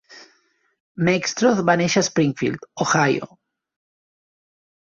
Meckstroth va néixer a Springfield, Ohio.